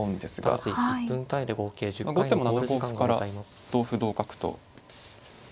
後手も７五歩から同歩同角と。